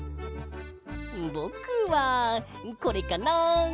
ぼくはこれかな。